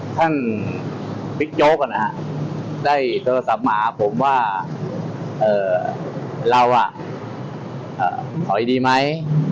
ท่านพิกโจ๊กได้โทรศัพท์มาอาภงว่าเราอ่ะถอยดีไหม